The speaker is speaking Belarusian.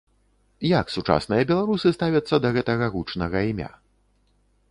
Як сучасныя беларусы ставяцца да гэтага гучнага імя?